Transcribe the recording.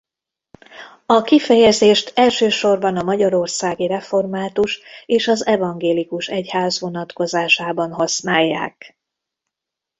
A kifejezést elsősorban a magyarországi református és az evangélikus egyház vonatkozásában használják.